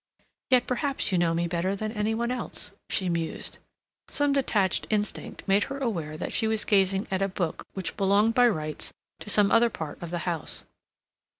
"Yet perhaps you know me better than any one else," she mused. Some detached instinct made her aware that she was gazing at a book which belonged by rights to some other part of the house.